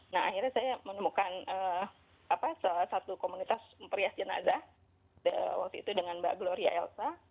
nah akhirnya saya menemukan salah satu komunitas memperias jenazah waktu itu dengan mbak gloria elsa